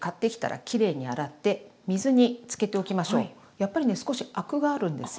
やっぱりね少しアクがあるんですよ。